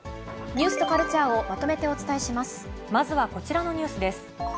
ニュースとカルチャーをまとまずはこちらのニュースです。